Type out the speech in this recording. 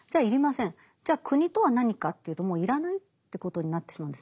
じゃあ国とは何かというともう要らないということになってしまうんですね。